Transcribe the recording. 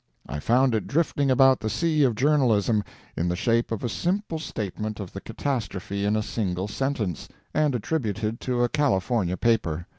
I found it drifting about the sea of journalism, in the shape of a simple statement of the catastrophe in a single sentence, and attributed to a California paper.